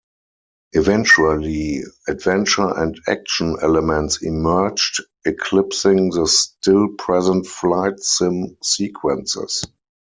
Eventually, adventure and action elements emerged, eclipsing the still-present flight sim sequences.